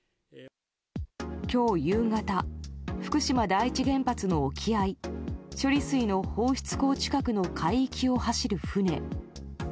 今日夕方、福島第一原発の沖合処理水の放出口近くの海域を走る船。